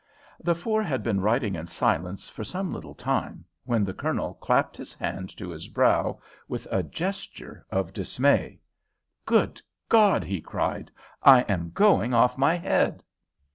The four had been riding in silence for some little time, when the Colonel clapped his hand to his brow with a gesture of dismay. "Good God!" he cried, "I am going off my head."